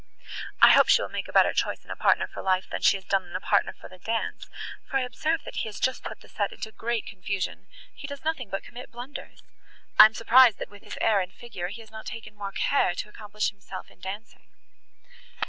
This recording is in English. I hope she will make a better choice in a partner for life than she has done in a partner for the dance, for I observe he has just put the set into great confusion; he does nothing but commit blunders. I am surprised, that, with his air and figure, he has not taken more care to accomplish himself in dancing."